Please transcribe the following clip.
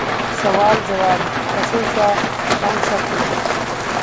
सवाल, जवाबः हंसी का हमशक्ल